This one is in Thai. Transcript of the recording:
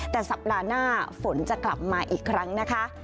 แต่สัปดาห์หน้าฝนจะกลับมาอีกครั้งนะคะ